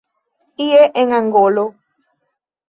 Ie en Angolo.